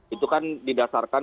itu kan didasarkan